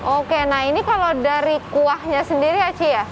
oke nah ini kalau dari kuahnya sendiri ya ci ya